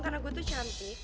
karena gue tuh cantik